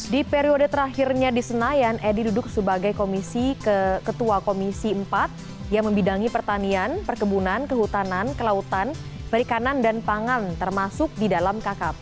di periode terakhirnya di senayan edi duduk sebagai ketua komisi empat yang membidangi pertanian perkebunan kehutanan kelautan perikanan dan pangan termasuk di dalam kkp